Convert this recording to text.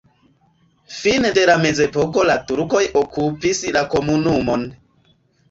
Fine de la mezepoko la turkoj okupis la komunumon.